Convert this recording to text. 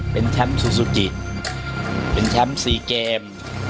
เป็นแชมป์ซูซูจิเป็นแชมป์๔เกม